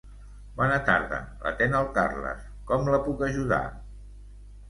Bona tarda, l'atén el Carles, com la puc ajudar?